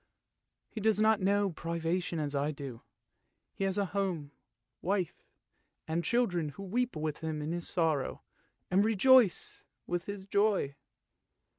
He does not know privation as I do ! He has a home, wife, and children who weep with him in his sorrow and rejoice with his joy!